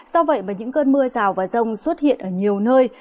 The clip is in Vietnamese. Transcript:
do vậy mà những cơn mưa rào và rông xuất hiện ở nhiều nơi